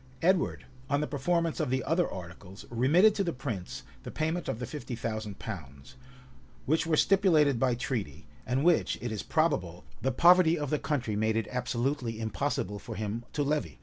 [] Edward, on the performance of the other articles, remitted to the prince of Wales the payment of the fifty thousand pounds;[] which were stipulated by treaty, and which, it is probable, the poverty of the country made it absolutely impossible for him to levy.